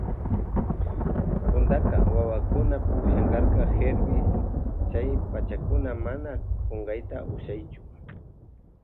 Puntaka wawakunaka punllan karka Hervis chay pachakuna mana kunkayta ushaychu.